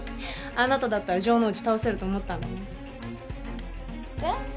あなただったら城之内倒せると思ったんだもん。